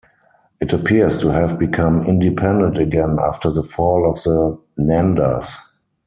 It appears to have become independent again after the fall of the Nandas.